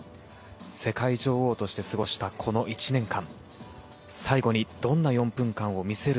世界女王として過ごしたこの１年間。